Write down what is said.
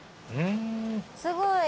すごい。